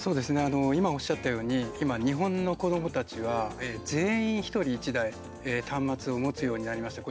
今おっしゃったように日本の子どもたちは全員１人１台端末を持つようになりました。